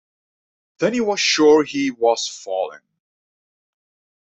Then he was sure that he was falling.